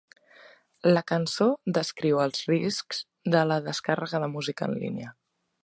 La cançó descriu els riscs de la descàrrega de música en línia.